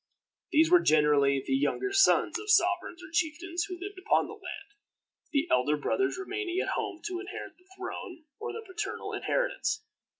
These were generally the younger sons of sovereigns or chieftains who lived upon the land, the elder brothers remaining at home to inherit the throne or the paternal inheritance.